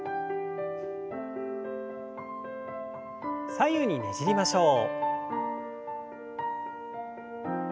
左右にねじりましょう。